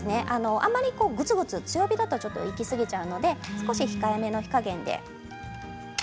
あんまりぐつぐつ強火だといきすぎちゃうので控えめの火加減で。